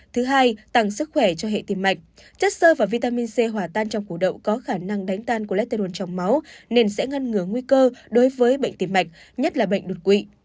thứ hai tăng sức khỏe cho hệ tiềm mạch chất sơ và vitamin c hòa tan trong củ đậu có khả năng đánh tan của letern trong máu nên sẽ ngăn ngứa nguy cơ đối với bệnh tim mạch nhất là bệnh đột quỵ